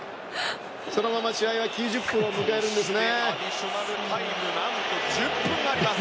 そのまま試合は９０分を迎えるんですね。